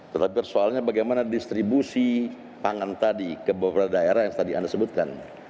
tetapi soalnya bagaimana distribusi pangan tadi ke beberapa daerah yang tadi anda sebutkan